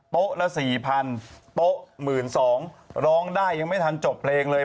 ละ๔๐๐๐โต๊ะ๑๒๐๐ร้องได้ยังไม่ทันจบเพลงเลย